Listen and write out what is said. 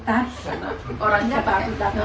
pakai sarung penuh di rumah